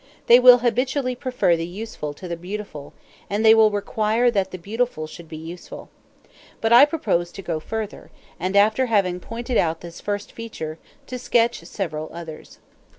They will habitually prefer the useful to the beautiful, and they will require that the beautiful should be useful. But I propose to go further; and after having pointed out this first feature, to sketch several others.